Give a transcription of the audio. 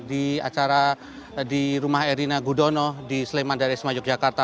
di rumah erina gudono di sleman dari sema yogyakarta